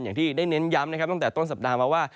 อย่างที่ได้เน้นย้ำนะครับตั้งแต่ต้นสัปดาห์มาว่า